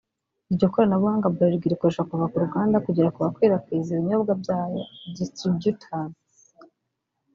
Iryo koranabuhanga Bralirwa irikoresha kuva ku ruganda kugera ku bakwirakwiza ibinyobwa byayo (distributeurs)